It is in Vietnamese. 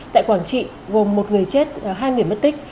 tại quảng trị gồm một người chết hai người mất tích